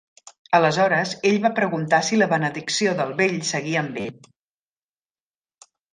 Aleshores, ell va preguntar si la benedicció del vell seguia amb ell.